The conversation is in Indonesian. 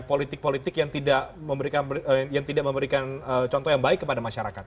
politik politik yang tidak memberikan contoh yang baik kepada masyarakat